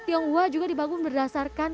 tionghoa juga dibangun berdasarkan